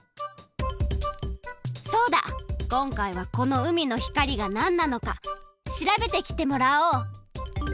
そうだこんかいはこの海の光がなんなのか調べてきてもらおう！